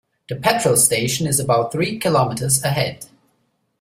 The petrol station is about three kilometres ahead